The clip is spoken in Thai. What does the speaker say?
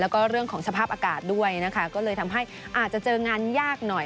แล้วก็เรื่องของสภาพอากาศด้วยนะคะก็เลยทำให้อาจจะเจองานยากหน่อย